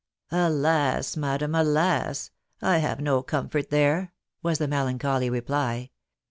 "" Alas, madam ! alas ! I have no comfort there," wa§ the melanchijiy reply.